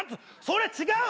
それ違う。